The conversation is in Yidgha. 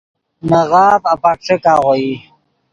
نے غاف اپک ݯیک آغوئی